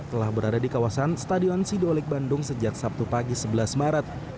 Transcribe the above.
telah berada di kawasan stadion sidolik bandung sejak sabtu pagi sebelas maret